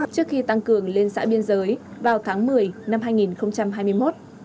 trước khi tăng cường lên xã biên giới vào tháng một mươi năm hai nghìn hai mươi một